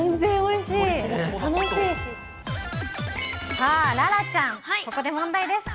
さあ、楽々ちゃん、ここで問題です。